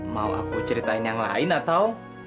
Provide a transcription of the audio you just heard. mau aku ceritain yang lain atau